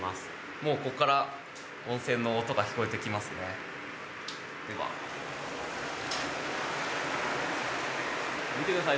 もうここから温泉の音が聞こえてきますねでは見てください